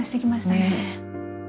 ねえ。